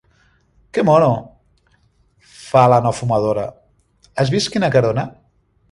Què mono!, fa la no fumadora, has vist quina carona?